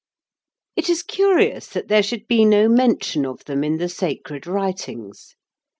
It is curious that there should be no mention of them in the sacred writings.